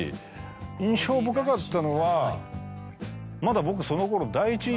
印象深かったのはまだ僕その頃。